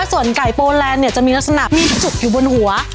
ส่วนไก่โปแลนด์เนี่ยจะมีลักษณะมีจุกอยู่บนหัว